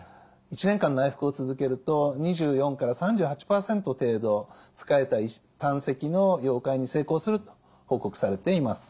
１年間内服を続けると２４から３８％程度つかえた胆石の溶解に成功すると報告されています。